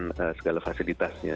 mempersiapkan segala fasilitasnya